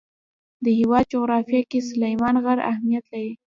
د هېواد جغرافیه کې سلیمان غر اهمیت لري.